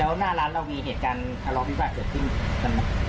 แล้วหน้าร้านเรามีเหตุการณ์ทะเลาะวิบาทเกิดขึ้นกันไหม